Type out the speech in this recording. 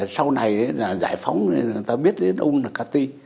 sau này giải phóng người ta biết tà nung là cá tây